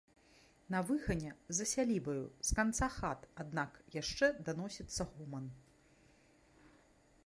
На выгане, за сялібаю, з канца хат, аднак, яшчэ даносіцца гоман.